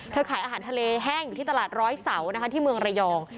ขายอาหารทะเลแห้งอยู่ที่ตลาดร้อยเสานะคะที่เมืองระยอง